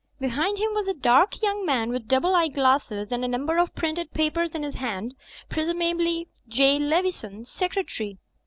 Behind him was a dark young man with double eyeglasses and a num ber of printed papers in his hand ; presumably J. Leve son. Secretary.